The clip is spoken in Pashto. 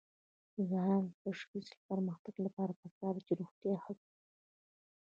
د ځوانانو د شخصي پرمختګ لپاره پکار ده چې روغتیا ښه کړي.